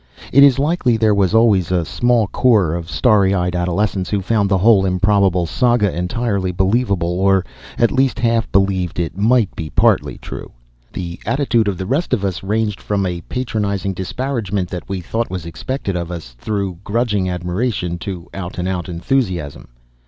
It is likely there was always a small corps of starry eyed adolescents who found the whole improbable saga entirely believable, or at least half believed it might be partly true. The attitude of the rest of us ranged from a patronizing disparagement that we thought was expected of us, through grudging admiration, to out and out enthusiasm.